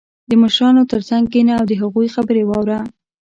• د مشرانو تر څنګ کښېنه او د هغوی خبرې واوره.